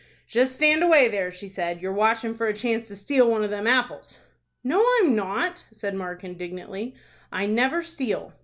"Just stand away there," she said. "You're watchin' for a chance to steal one of them apples." "No, I'm not," said Mark, indignantly. "I never steal."